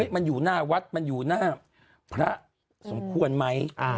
มันอยู่หน้าวัดมันอยู่หน้าพระสมควรไหม